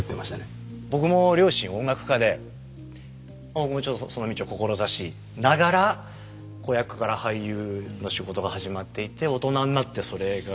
僕も両親音楽家でちょっとその道を志しながら子役から俳優の仕事が始まっていって大人になってそれが広がっていった。